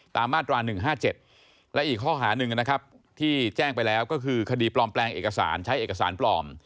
มาตรา๑๕๗และอีกข้อหาหนึ่งนะครับที่แจ้งไปแล้วก็คือคดีปลอมแปลงเอกสารใช้เอกสารปลอม